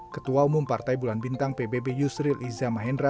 ketua umum partai bulan bintang pbb yusril iza mahendra